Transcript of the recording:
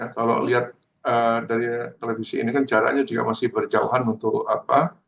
kalau lihat dari televisi ini kan jaraknya juga masih berjauhan untuk apa